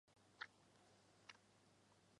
受虐者会受到长期的情绪影响。